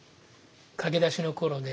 駆け出しの頃ね